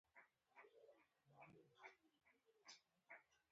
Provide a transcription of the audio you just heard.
زه يې خپله وژنم، خو اوس يې وخت نه دی، ډوډۍ تياره ده.